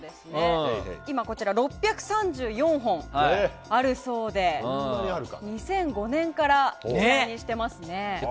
今、６３４本あるそうで２００５年から一覧にしてますね。